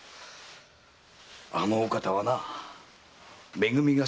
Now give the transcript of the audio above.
あのお方はなあめ組が好きなんだよ。